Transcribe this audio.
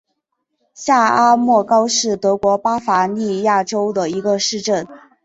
下阿默高是德国巴伐利亚州的一个市镇。